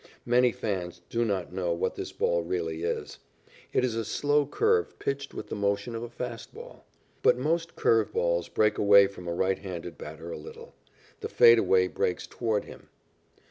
Many fans do not know what this ball really is. It is a slow curve pitched with the motion of a fast ball. But most curve balls break away from a right handed batter a little. The fade away breaks toward him.